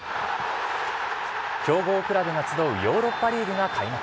強豪クラブが集うヨーロッパリーグが開幕。